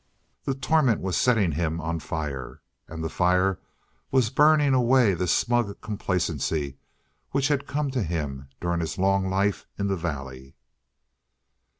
The torment was setting him on fire. And the fire was burning away the smug complacency which had come to him during his long life in the valley.